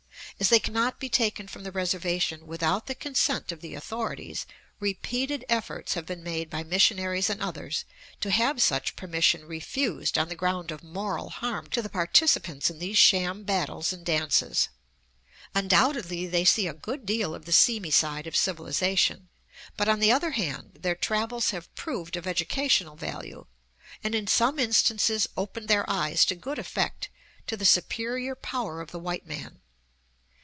As they cannot be taken from the reservation without the consent of the authorities, repeated efforts have been made by missionaries and others to have such permission refused on the ground of moral harm to the participants in these sham battles and dances. Undoubtedly they see a good deal of the seamy side of civilization; but, on the other hand, their travels have proved of educational value, and in some instances opened their eyes to good effect to the superior power of the white man.